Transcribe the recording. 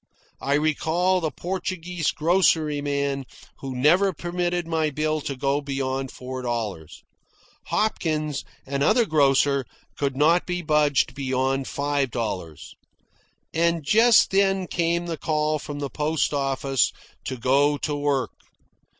I recall the Portuguese groceryman who never permitted my bill to go beyond four dollars. Hopkins, another grocer, could not be budged beyond five dollars. And just then came the call from the post office to go to work.